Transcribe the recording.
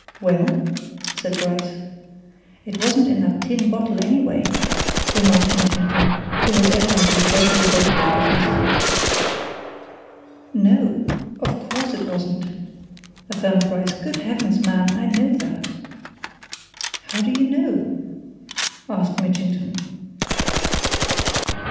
"Well?" said Bryce. "It wasn't in that tin bottle, anyway," remarked Mitchington, who was evidently greatly weighted with mystery. "No! of course it wasn't!" affirmed Bryce. "Good Heavens, man I know that!" "How do you know?" asked Mitchington.